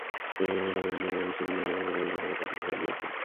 এরপর ময়লার গাড়ি নিয়ে বাড়ি বাড়ি গিয়ে ময়লা সংগ্রহের কাজে নেমে পড়ে।